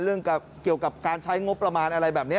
เรื่องเกี่ยวกับการใช้งบประมาณอะไรแบบนี้